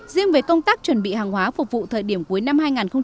riêng về công tác chuẩn bị hàng hóa phục vụ thời điểm cuối năm hai nghìn một mươi bảy